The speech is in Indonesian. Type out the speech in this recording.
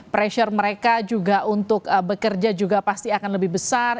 pressure mereka juga untuk bekerja juga pasti akan lebih besar